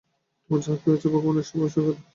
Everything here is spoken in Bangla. তোমার যাহা কিছু আছে, ভগবানের সেবায় উৎসর্গ কর।